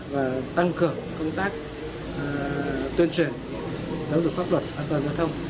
và tăng cường công tác tuyên truyền giáo dục pháp luật an toàn giao thông